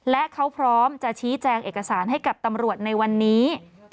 และเขาพร้อมจะชี้แจงเอกสารให้กับตำรวจในวันนี้